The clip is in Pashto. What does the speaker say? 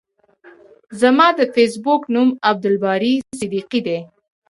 زما د فیسبوک نوم عبدالباری صدیقی ده.